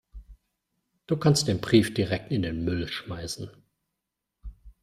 Du kannst den Brief direkt in den Müll schmeißen.